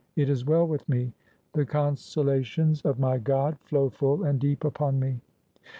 It is well with me. The consolations of my Grod flow full and deep upon me."